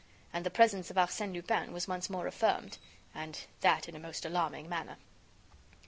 And the presence of Arsène Lupin was once more affirmed, and that in a most alarming manner.